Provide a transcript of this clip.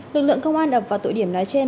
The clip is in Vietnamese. lực lượng công an đập vào tội điểm nói trên